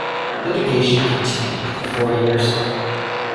Litigation continued for four years.